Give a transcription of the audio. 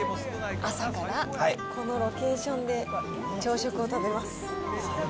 朝からこのロケーションで朝食を食べます。